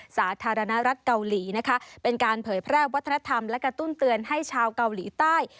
สาธารณรัฐเกาหลีนะคะเป็นการเผยแพร่วัฒนธรรมและกระตุ้นเตือนให้ชาวเกาหลีใต้